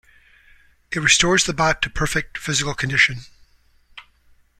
It restores the bot to perfect physical condition.